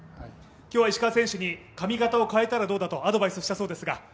今日は石川選手に髪形を変えたらどうだとアドバイスしたそうですが？